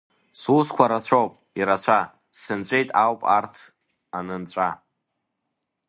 Сусқәа рацәоуп, ирацәа, сынҵәеит ауп урҭ анынҵәа!